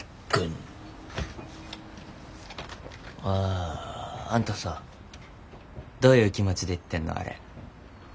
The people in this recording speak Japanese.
ああんたさどういう気持ちで言ってんのあれ。